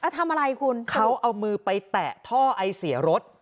ทำอะไรคุณเขาเอามือไปแตะท่อไอเสียรถ